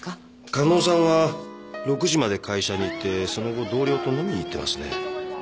加納さんは６時まで会社にいてその後同僚と飲みに行ってますね。